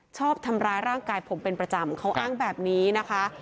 ชอบทำร้ายร่างกายผมเป็นประจำเขาอ้างแบบนี้นะคะ